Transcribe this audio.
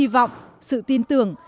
vọng sự tin tưởng